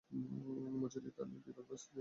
মসজিদটি টালির বিকল্প স্তর ও ইটের দ্বারা নির্মিত।